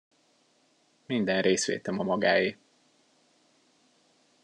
Minden részvétem a magáé.